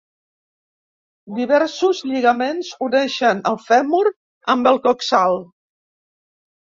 Diversos lligaments uneixen el fèmur amb el coxal.